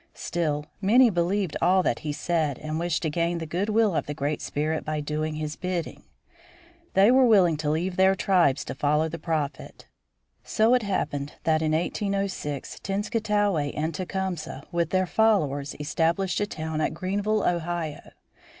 Still, many believed all that he said, and wished to gain the good will of the Great Spirit by doing his bidding. They were willing to leave their tribes to follow the Prophet. So it happened that in 1806 Tenskwatawa and Tecumseh with their followers established a town at Greenville, Ohio.